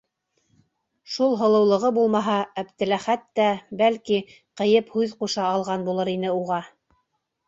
Шул һылыулығы булмаһа, Әптеләхәт тә, бәлки, ҡыйып һүҙ ҡуша алған булыр ине уға...